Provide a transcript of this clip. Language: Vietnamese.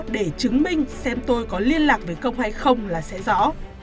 để chứng minh xem tôi có liên lạc với công hay không là sẽ rõ